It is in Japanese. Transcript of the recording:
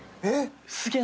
すげえ。